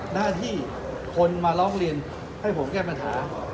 หน้าที่คนมาร้องเรียนให้ผมแก้ปัญหา